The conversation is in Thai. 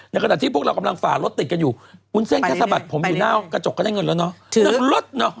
ในขณะที่พวกเรากำลังฝ่ารถติดกันอยู่วุ้นเส้นแค่สะบัดผมอยู่หน้ากระจกก็ได้เงินแล้วเนาะ